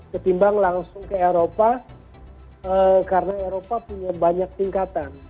ketimbang langsung ke eropa karena eropa punya banyak tingkatan